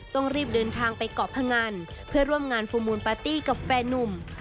ต้องรีบเดินทางไปเกาะพงันเพื่อร่วมงานฟูมูลปาร์ตี้กับแฟนนุ่ม